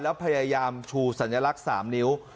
แล้วพยายามชูสัญลักษณ์๓นิ้ว